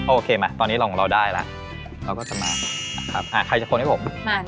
โอเคมาตอนนี้เราได้แล้วเราก็จะมาใครจะคนให้ผม